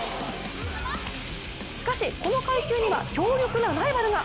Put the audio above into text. しかしこの階級には強力なライバルが。